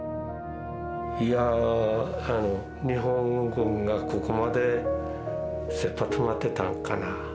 いやあ日本軍がここまでせっぱ詰まってたんかな。